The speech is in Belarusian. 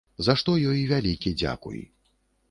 За што ёй вялікі дзякуй.